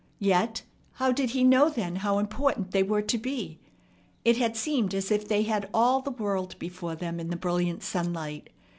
Yet how did he know then how important they were to be? It had seemed as if they had all the world before them in the brilliant sunlight.